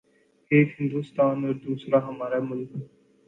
:ایک ہندوستان اوردوسرا ہمارا ملک۔